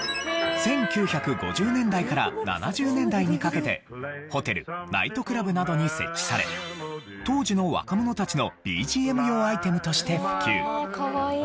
１９５０年代から１９７０年代にかけてホテルナイトクラブなどに設置され当時の若者たちのＢＧＭ用アイテムとして普及。